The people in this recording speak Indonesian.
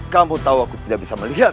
kamu tahu aku tidak bisa melihat